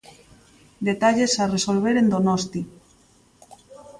Detalles a resolver en Donosti.